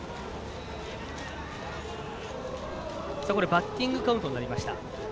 バッティングカウントになりました。